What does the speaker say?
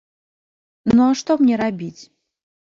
Ну, а што мне рабіць?